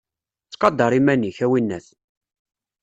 Ttqadar iman-ik, a winnat!